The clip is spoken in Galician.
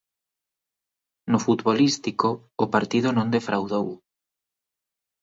No futbolístico, o partido non defraudou.